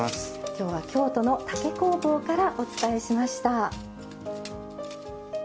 今日は京都の竹工房からお伝えしました。